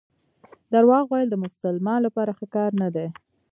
درواغ ویل د مسلمان لپاره ښه کار نه دی.